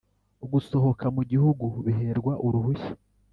Gusohoka mu gihugu biherwa uruhushya